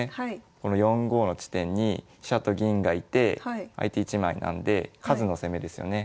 この４五の地点に飛車と銀がいて相手１枚なんで数の攻めですよね。